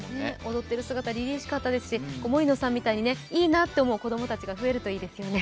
踊ってる姿、りりしかったですし森野さんみたいにいいなって思う子供たちが増えるといいですね